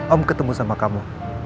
om ketemu sama kamu